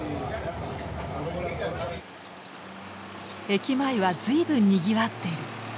駅前は随分にぎわっている。